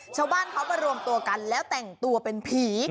ชาวบ้านเขามารวมตัวกันแล้วแต่งตัวเป็นผี